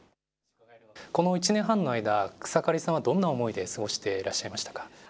この１年半の間、草刈さんはどんな思いで過ごしていらっしゃ